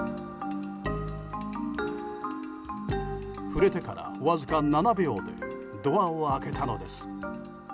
触れてから、わずか７秒でドアを開けたのです。